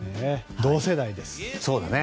同世代ですね。